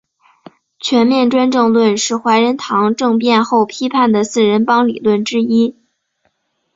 全面专政论是怀仁堂政变后批判的四人帮理论之一。